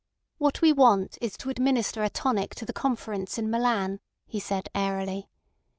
"What we want is to administer a tonic to the Conference in Milan," he said airily.